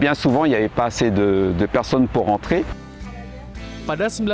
hanya saja mereka tidak berpikir bahwa